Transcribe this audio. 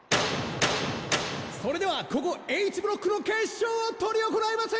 それではここＨブロックの決勝を執り行います！